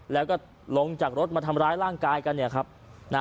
แล้วก็ลงจากรถมาทำร้ายร่างกายกัน